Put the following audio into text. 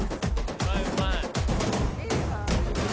うまいうまい。